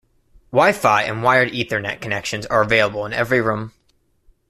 Wifi and wired ethernet connections are available in every room.